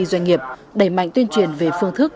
doanh nghiệp đẩy mạnh tuyên truyền về phương thức